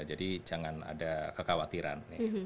jadi jangan ada kekhawatiran